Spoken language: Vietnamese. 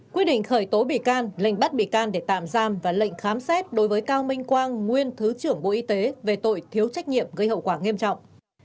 quyết định khởi tố bị can lệnh bắt bị can để tạm giam và lệnh khám xét đối với cao minh quang nguyên thứ trưởng bộ y tế về tội thiếu trách nhiệm gây hậu quả nghiêm trọng